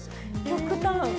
極端。